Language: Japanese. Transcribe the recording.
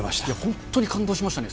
本当に感動しましたね。